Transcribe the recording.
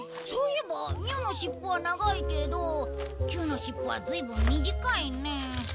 そういえばミューのしっぽは長いけどキューのしっぽはずいぶん短いねえ。